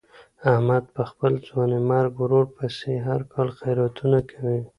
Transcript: احمد په خپل ځوانیمرګ ورور پسې هر کال خیراتونه کوي.